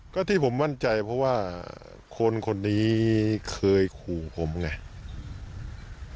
ก็ที่ผมมั่นใจเพราะว่าคนคนนี้เคยขู่ผมไง